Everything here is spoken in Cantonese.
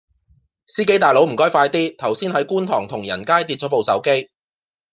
司機大佬唔該快啲，頭先喺觀塘同仁街跌左部手機